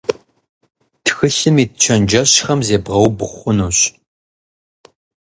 Тхылъым ит чэнджэщхэм зебгъэубгъу хъунущ.